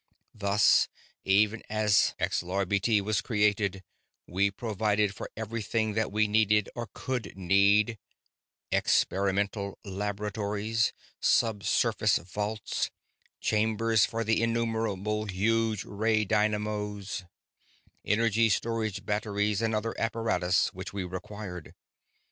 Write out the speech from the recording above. Thus, even as Xlarbti was being created, we provided for everything that we needed or could need experimental laboratories, sub surface vaults, chambers for the innumerable huge ray dynamos, energy storage batteries, and other apparatus which we required.